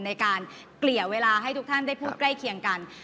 เกลี่ยเวลาให้ทุกท่านได้พูดใกล้เคียงกัน